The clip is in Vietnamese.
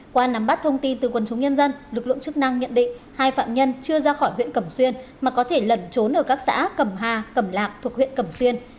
qua nắm bắt thông tin từ quân chúng nhân dân lực lượng chức năng nhận định hai phạm nhân chưa ra khỏi huyện cẩm xuyên mà có thể lẩn trốn ở các xã cẩm hà cẩm lạc thuộc huyện cẩm xuyên